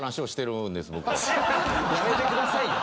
やめてくださいよ。